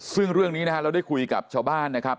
ซึ่งเรื่องนี้นะฮะเราได้คุยกับชาวบ้านนะครับ